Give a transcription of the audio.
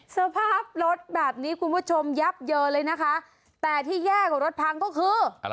สภาพรถแบบนี้คุณผู้ชมยับเยอะเลยนะคะแต่ที่แย่กว่ารถพังก็คืออะไร